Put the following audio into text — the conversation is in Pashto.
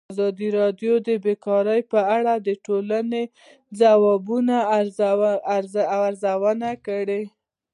ازادي راډیو د بیکاري په اړه د ټولنې د ځواب ارزونه کړې.